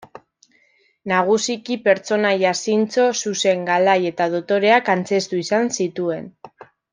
Nagusiki pertsonaia zintzo, zuzen, galai eta dotoreak antzeztu izan zituen.